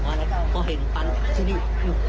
คุณยายไม่ได้เอาไฟหมดเลยค่ะ